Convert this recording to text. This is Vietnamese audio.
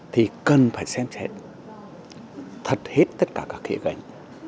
thì cần phải xem xét thật hết tất cả các kế hoạch